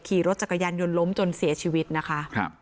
ขี่รถจักรยานยนต์ล้มจนเสียชีวิตนะคะ